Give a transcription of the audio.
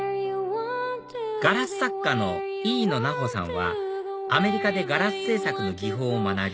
ガラス作家のイイノナホさんはアメリカでガラス制作の技法を学び